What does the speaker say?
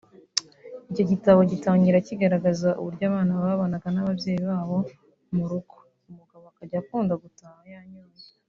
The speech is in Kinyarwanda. Icyo gitabo gitangira kigaragaza uburyo abana babanaga n’ababyeyi babo mu rugo umugabo akajya akunda gutaha yanyweye